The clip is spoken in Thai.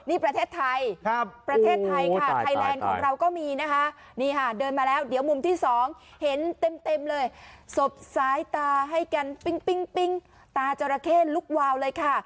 นี่ประเทศไทยประเทศไทยค่ะไทยแลนด์ของเราก็มีนะคะนี่ค่ะเดินมาแล้วเดี๋ยวมุมที่๒เห็นเต็มเลยสบซ้ายตาให้กันปิ้งตาจราเข้ลุกวาวเลยค่ะ